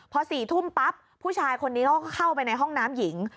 พอ๔ทุ่มปั๊บผู้ชายคนนี้เขาก็เข้าไปในห้องน้ำหญิง